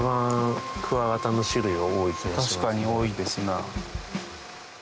確かに多いですな。